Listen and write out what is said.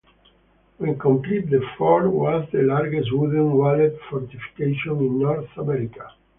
When completed, the fort was the largest wooden walled fortification in North America.